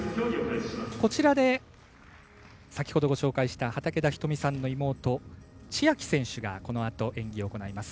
こちらで、先ほどご紹介した畠田瞳さんの妹、千愛選手がこのあと演技を行います。